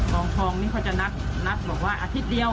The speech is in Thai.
กองทองนี่เขาจะนัดบอกว่าอาทิตย์เดียว